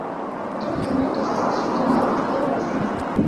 During her mounting success she became known as Prairie Rose Henderson.